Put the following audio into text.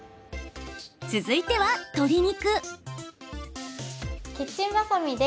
続いては、鶏肉。